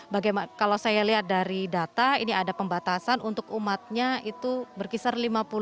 bagaimana kalau saya lihat dari data ini ada pembatasan untuk umatnya itu berkisar lima puluh